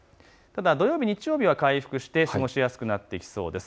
土曜日、日曜日は回復して過ごしやすくなってきそうです。